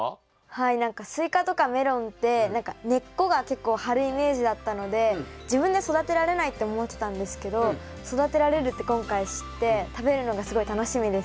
はい何かスイカとかメロンって根っこが結構張るイメージだったので自分で育てられないって思ってたんですけど育てられるって今回知って食べるのがすごい楽しみです。